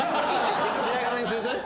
平仮名にするとね。